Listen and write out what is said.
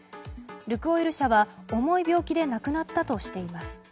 ルクオイル社は重い病気で亡くなったとしています。